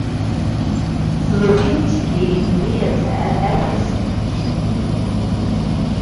Lubienski in "V"itae Episc.